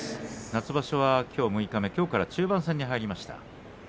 夏場所は、きょう六日目中盤戦に入りました。